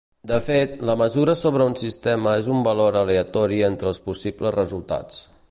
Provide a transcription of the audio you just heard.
De fet, la mesura sobre un sistema és un valor aleatori entre els possibles resultats.